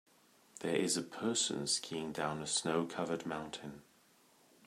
There is a person skiing down a snow covered mountain.